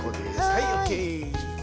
はいＯＫ。